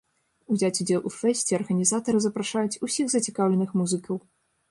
Узяць удзел у фэсце арганізатары запрашаюць усіх зацікаўленых музыкаў!